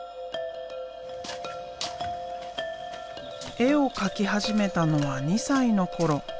絵を描き始めたのは２歳の頃。